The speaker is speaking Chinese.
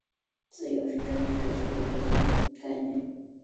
自由是政治哲学的核心概念。